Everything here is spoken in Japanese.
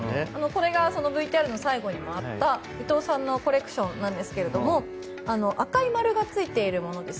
これがＶＴＲの最後にもあった伊藤さんのコレクションですけども赤い丸がついているもの